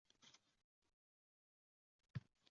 Shu kundan boshini o'radi.